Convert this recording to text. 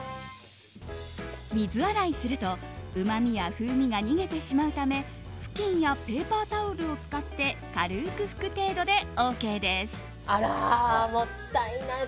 水洗いするとうまみや風味が逃げてしまうため布巾やペーパータオルを使って軽く拭く程度でＯＫです。